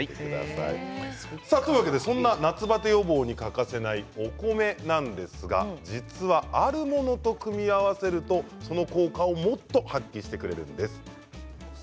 そんな夏バテ予防に欠かせないお米なんですが実はあるものと組み合わせるとその効果をもっと発揮してくれるんです。